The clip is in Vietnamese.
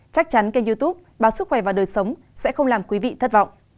chắc chắn kênh youtube báo sức khỏe và đời sống sẽ không làm quý vị thất vọng